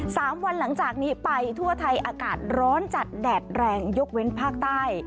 สามวันหลังจากนี้ไปทั่วไทยอากาศร้อนจัดแดดแรงยกเว้นภาคใต้